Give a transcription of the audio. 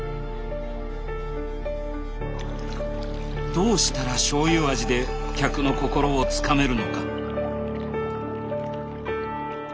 どうしたら醤油味で客の心をつかめるのか。